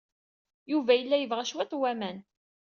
Yuba yella yebɣa cwiṭ n waman.